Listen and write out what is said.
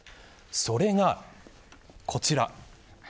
それがこちら。